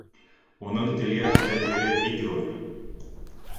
Уның телгә һәләтлеге бик ҙур.